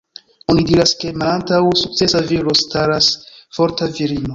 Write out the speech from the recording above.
Oni diras, ke malantaŭ sukcesa viro staras forta virino.